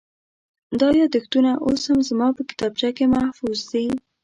دا یادښتونه اوس هم زما په کتابخانه کې محفوظ دي.